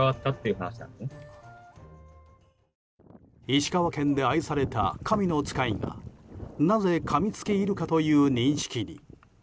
石川県で愛された神の使いがなぜかみつきイルカという認識に。